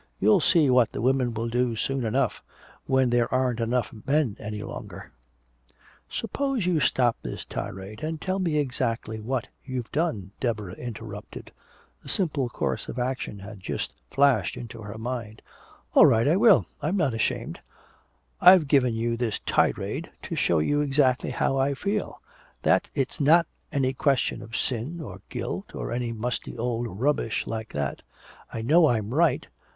You'll see what the women will do soon enough when there aren't enough men any longer " "Suppose you stop this tirade and tell me exactly what you've done," Deborah interrupted. A simple course of action had just flashed into her mind. "All right, I will. I'm not ashamed. I've given you this 'tirade' to show you exactly how I feel that it's not any question of sin or guilt or any musty old rubbish like that! I know I'm right!